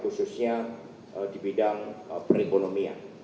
khususnya di bidang perekonomian